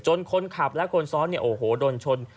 จนคนขับและคนซ้อนโดนชน